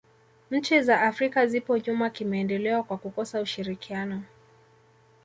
nchi za afrika zipo nyuma kimaendeleo kwa kukosa ushirikiano